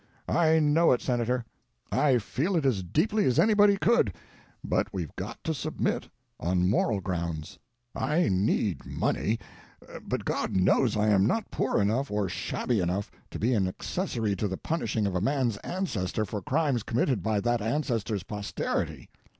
I know it, Senator; I feel it as deeply as anybody could. But we've got to submit—on moral grounds. I need money, but God knows I am not poor enough or shabby enough to be an accessory to the punishing of a man's ancestor for crimes committed by that ancestor's posterity."